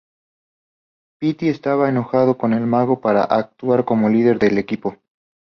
Pete estaba enojado con el Mago para actuar como líder del equipo.